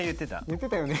言ってたよね。